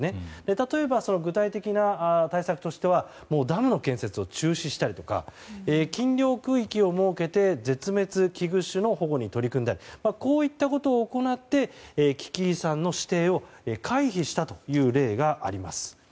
例えば具体的な対策としてはダムの建設を中止したりとか禁漁区域を設けて絶滅危惧種の保護に取り組んだりこういったことを行って危機遺産の指定を回避したという例があります。